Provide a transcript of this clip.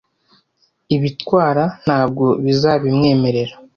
Ibitwara, ntabwo bizabimwemerera.